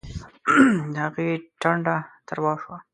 د هغې ټنډه تروه شوه